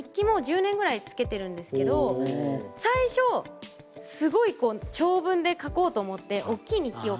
もう１０年ぐらいつけてるんですけど最初すごい長文で書こうと思っておっきい日記を買ったんですよ。